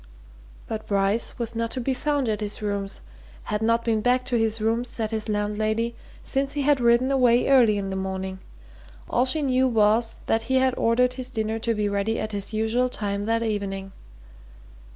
But Bryce was not to be found at his rooms had not been back to his rooms, said his landlady, since he had ridden away early in the morning: all she knew was that he had ordered his dinner to be ready at his usual time that evening.